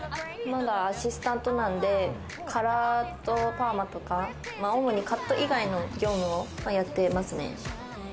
まだアシスタントなんで、カラーとパーマとか、主にカット以外の業務をやっていますね。